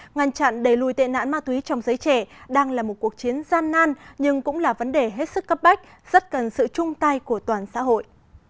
ngăn chặn đẩy lùi tệ nạn ma túy trong giới trẻ đang là một cuộc chiến gian nan nhưng cũng là vấn đề hết sức cấp bách rất cần sự chung tay của toàn xã hội